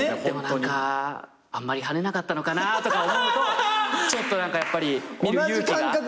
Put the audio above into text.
でも何かあんまりはねなかったのかなとか思うとちょっとやっぱり見る勇気が。